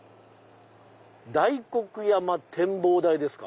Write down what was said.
大黒山展望台ですか。